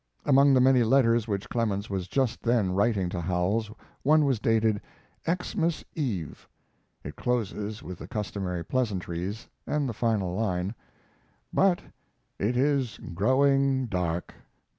Among the many letters which Clemens was just then writing to Howells one was dated "Xmas Eve." It closes with the customary pleasantries and the final line: "But it is growing dark.